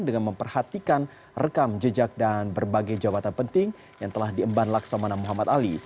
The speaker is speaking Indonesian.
dengan memperhatikan rekam jejak dan berbagai jabatan penting yang telah diemban laksamana muhammad ali